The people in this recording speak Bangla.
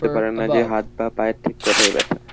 মা ঠিক বুঝতে পারে না যে হাত বা পায়ের ঠিক কোথায় ব্যথা।